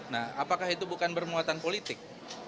nah apakah itu bukan bermuatan politik